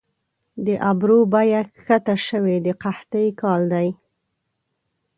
د ابرو بیه کښته شوې د قحطۍ کال دي